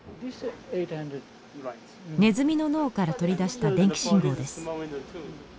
ネズミの脳から取り出した電気信号です。